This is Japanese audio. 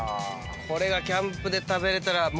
これがキャンプで食べられたらもう。